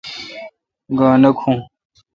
گاؘ نہ کھون۔